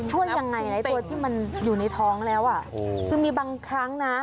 ช่วยยังไงนะตัวที่มันอยู่ในท้องแล้วอ่ะคือมีบางครั้งนะ